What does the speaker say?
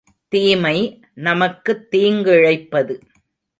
தீமை நமக்குத் தீங்கிழைப்பது.